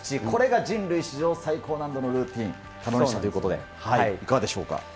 これが人類史上最高難度のルーティンということで、いかがでしょ